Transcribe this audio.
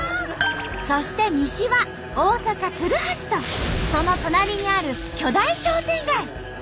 そして西は大阪・鶴橋とその隣にある巨大商店街。